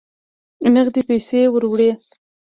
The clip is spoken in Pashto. نغدي پیسې وروړي.